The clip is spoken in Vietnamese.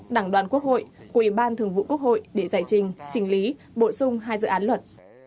đảng đoàn quốc hội của ủy ban thường vụ quốc hội để giải trình chỉnh lý bổ sung hai dự án luật